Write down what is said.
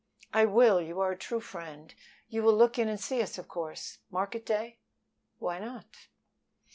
"I will. You are a true friend. You will look in and see us, of course, market day?" "Why not?"